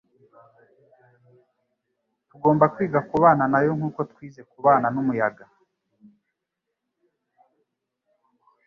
tugomba kwiga kubana nayo - nk'uko twize kubana n'umuyaga. ”